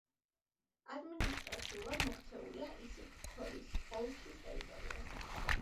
ადმინისტრაციულად მოქცეულია ისიქ-ქოლის ოლქის ტერიტორიაზე.